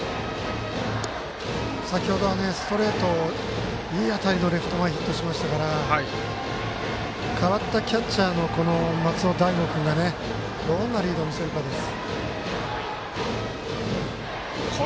先ほどストレートをいい当たりでレフト前ヒットしましたから代わったキャッチャーの松尾大悟君がどんなリードを見せるかです。